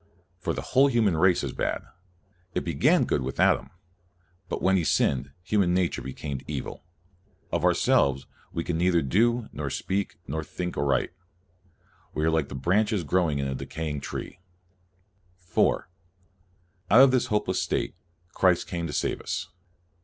For the whole human race is bad. It began good with Adam, but when he sinned, human nature became evil. Of ourselves, we can neither do, nor speak, nor think aright. We are like branches growing in a decaying tree. 4. Out of this hopeless state, Christ came to save us.